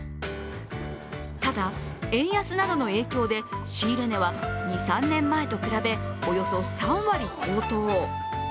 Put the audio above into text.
ただ、円安などの影響で仕入れ値は２３年前と比べおよそ３割高騰。